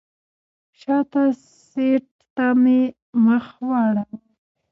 شاته سیټ ته مې مخ واړوه.